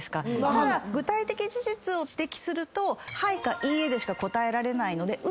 ただ具体的事実を指摘するとはいかいいえでしか答えられないのでウソはつけないんですよ。